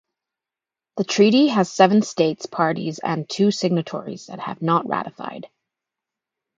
The treaty has seven states parties and two signatories that have not ratified.